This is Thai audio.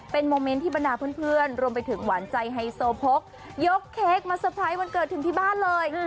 เป็นโมเมนต์ที่บรรดาเพื่อนรวมไปถึงหวานใจไฮโซโพกยกเค้กมาเตอร์ไพรส์วันเกิดถึงที่บ้านเลย